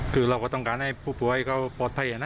คือเราก็ต้องการให้ผู้ป่วยเขาปลอดภัยนะ